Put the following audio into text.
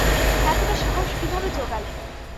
এতটা সাহস কীভাবে জোগালে?